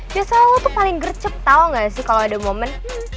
biasa lo tuh paling gercep tau gak sih kalo ada momen